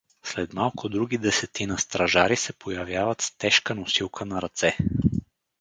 След малко други десетина стражари се появяват с тежка носилка на ръце.